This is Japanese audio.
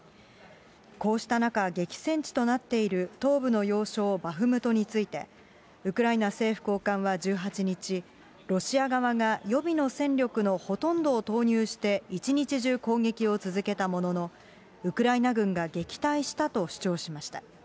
こうした中、激戦地となっている東部の要衝、バフムトについて、ウクライナ政府高官は１８日、ロシア側が予備の戦力のほとんどを投入して、一日中攻撃を続けたものの、ウクライナ軍が撃退したと主張しました。